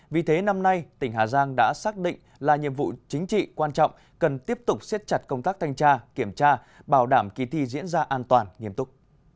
vì thế năm nay tỉnh hà giang đã xác định là nhiệm vụ chính trị quan trọng cần tiếp tục siết chặt công tác thanh tra kiểm tra bảo đảm kỳ thi diễn ra an toàn nghiêm túc